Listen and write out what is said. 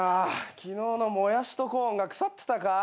昨日のモヤシとコーンが腐ってたか？